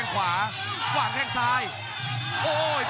โอ้โห